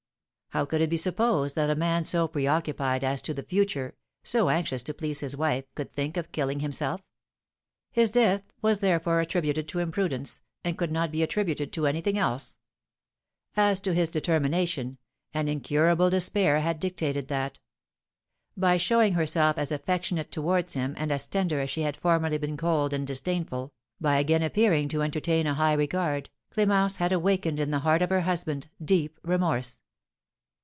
How could it be supposed that a man so preoccupied as to the future, so anxious to please his wife, could think of killing himself? His death was, therefore, attributed to imprudence, and could not be attributed to anything else. As to his determination, an incurable despair had dictated that. By showing herself as affectionate towards him, and as tender as she had formerly been cold and disdainful, by again appearing to entertain a high regard, Clémence had awakened in the heart of her husband deep remorse.